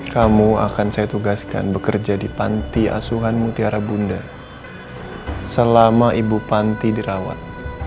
kamu akan saya tugaskan bekerja di panti asuhan mutiara bunda selama ibu panti dirawat